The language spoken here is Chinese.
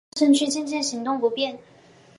她微胖身躯渐渐行动不便